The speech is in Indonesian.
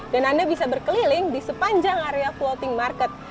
dan anda bisa berkeliling di sepanjang area floating market